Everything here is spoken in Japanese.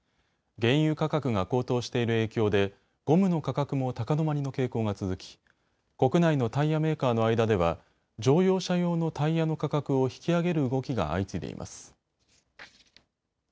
原油価格が高騰している影響でゴムの価格も高止まりの傾向が続き国内のタイヤメーカーの間では乗用車用のタイヤの価格を引き上げる動きが相次いでいます。